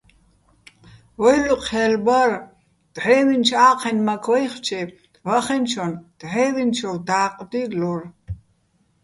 ვაჲლო ჴელ ბარ: დჵე́ვინჩო̆ ა́ჴენ მაქ ვაჲხჩე, ვახენჩონ დღე́ვინჩოვ და́ყ დილლორ.